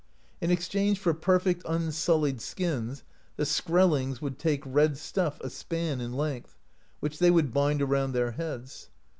In ex change for perfect unsullied skins, the Skrellings would take red stuff a span in length, which they would bind around their heads.